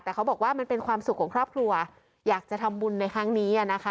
แต่เขาบอกว่ามันเป็นความสุขของครอบครัวอยากจะทำบุญในครั้งนี้นะคะ